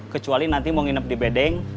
kecuali nanti mau nginep di bedeng